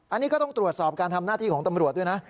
อันนี้ก็ต้องตรวจสอบการทำหน้าที่ของตำรวจด้วยนะ